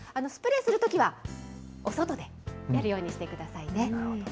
スプレーするときはお外でやるようにしてくださいね。